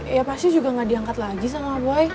ya pasti juga gak diangkat lagi sama boy